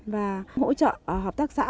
và hỗ trợ hợp tác xã